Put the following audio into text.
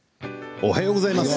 おはようございます。